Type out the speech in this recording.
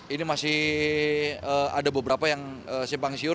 ini masih ada beberapa yang simpang siur